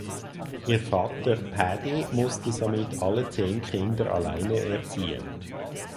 Ihr Vater Paddy musste somit alle zehn Kinder alleine erziehen.